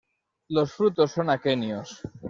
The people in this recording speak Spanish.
Los frutos son aquenios.